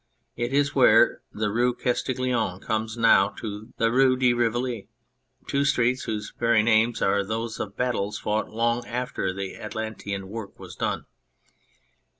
It is where the Rue Castiglione comes now into the Rue de Rivoli two streets whose very names are those of battles fought long after the atlantean work was done.